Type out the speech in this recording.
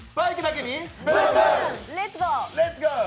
レッツゴー。